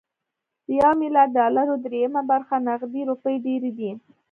د يو ميليارد ډالرو درېيمه برخه نغدې روپۍ ډېرې دي.